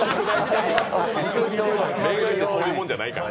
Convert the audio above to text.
恋愛ってそういうもんじゃないから。